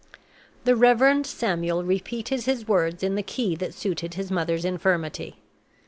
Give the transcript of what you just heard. The Reverend Samuel repeated his words in the key that suited his mother's infirmity.